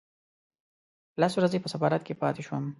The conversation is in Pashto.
لس ورځې په سفارت کې پاتې شوم.